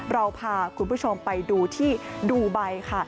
เราพาคุณผู้ชมไปดูที่ดูไบค่ะ